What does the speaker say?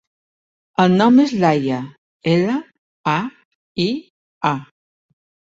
El nom és Laia: ela, a, i, a.